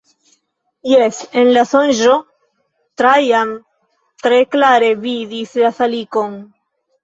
Jes, en la sonĝo, Trajan tre klare vidis la salikon.